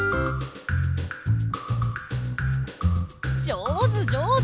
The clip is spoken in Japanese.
じょうずじょうず！